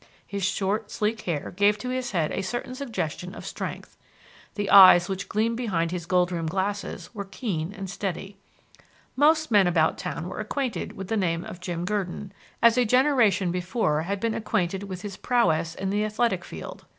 His short, sleek hair gave to his head a certain suggestion of strength. The eyes which gleamed behind his gold rimmed glasses were keen and steady. Most men about town were acquainted with the name of Jim Gurdon, as a generation before had been acquainted with his prowess in the athletic field.